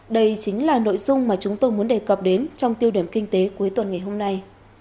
đây chính là nội dung mà chúng tôi muốn đề cập đến trong tiêu điểm kinh tế cuối tuần ngày hôm nay